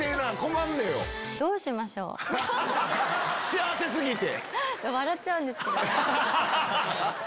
幸せ過ぎて。